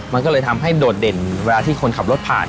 มันก็เลยทำให้โดดเด่นเวลาที่คนขับรถผ่าน